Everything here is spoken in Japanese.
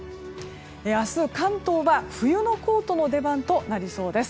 明日、関東は冬のコートの出番となりそうです。